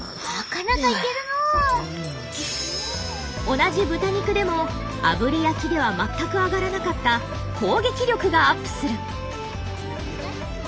同じ豚肉でも「炙焼」では全く上がらなかった攻撃力がアップする。